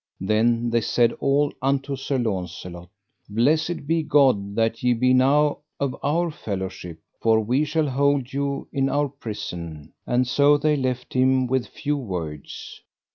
Then they said all unto Sir Launcelot: Blessed be God that ye be now of our fellowship, for we shall hold you in our prison; and so they left him with few words.